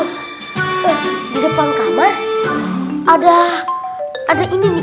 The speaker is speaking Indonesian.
eh di depan kamar ada ini nih